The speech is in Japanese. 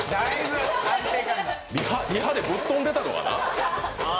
リハでぶっ飛んでたのかな。